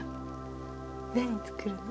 何作るの？